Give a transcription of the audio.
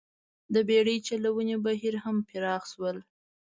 د بېړۍ چلونې بهیر هم پراخ شول.